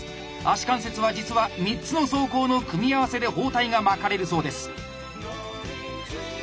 足関節は実は３つの走行の組み合わせで包帯が巻かれるそうです。